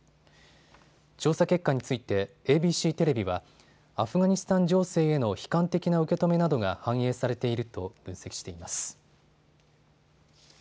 調査結果についてＡＢＣテレビはアフガニスタン情勢への悲観的な受け止めなどが反映されていると分析しています。